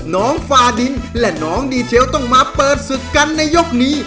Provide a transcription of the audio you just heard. ฟาดินและน้องดีเจลต้องมาเปิดศึกกันในยกนี้